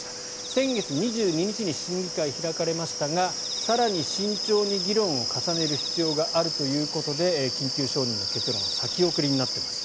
先月２２日に審議会が開かれましたが更に慎重に議論を重ねる必要があるということで緊急承認の結論は先送りになっています。